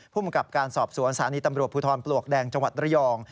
ภูมิกับการสอบสวนสถานีตำรวจภูทรปลวกแดงจังหวัดระยอง